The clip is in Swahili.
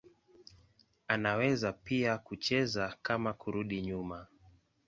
Anaweza pia kucheza kama kurudi nyuma.